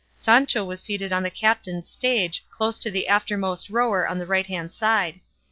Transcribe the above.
Sancho was seated on the captain's stage, close to the aftermost rower on the right hand side.